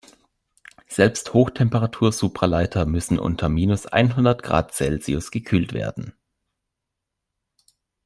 Selbst Hochtemperatur-Supraleiter müssen auf unter minus einhundert Grad Celsius gekühlt werden.